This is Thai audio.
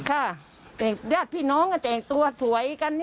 ค่ะแต่ญาติพี่น้องก็แต่งตัวสวยกัน